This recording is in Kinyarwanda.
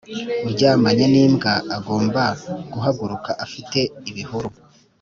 uryamanye n'imbwa agomba guhaguruka afite ibihuru.